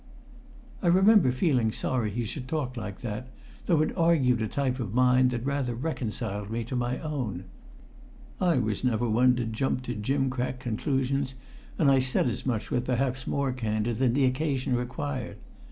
I remember feeling sorry he should talk like that, though it argued a type of mind that rather reconciled me to my own. I was never one to jump to gimcrack conclusions, and I said as much with perhaps more candour than the occasion required.